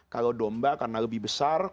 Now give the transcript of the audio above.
kalau domba karena lebih besar